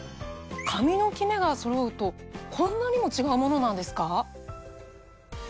髪のキメがそろうとこんなにも違うものなんですか？